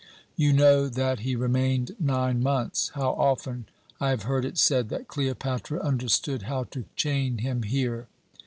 You know that he remained nine months. How often I have heard it said that Cleopatra understood how to chain him here!